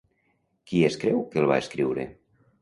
Qui es creu que el va escriure?